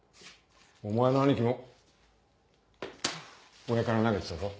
お前の兄貴も上から投げてたぞ。